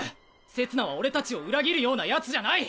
せつなは俺達を裏切るようなヤツじゃない！